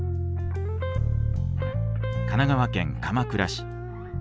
神奈川県鎌倉市。